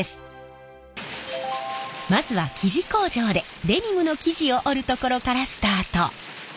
まずは生地工場でデニムの生地を織るところからスタート。